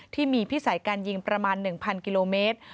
พิสัยการยิงประมาณ๑๐๐กิโลเมตร